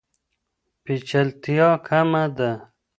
پیچلتیا کمه ده.